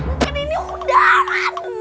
mungkin ini udara